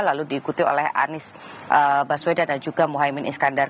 lalu diikuti oleh anies baswedan dan juga mohaimin iskandar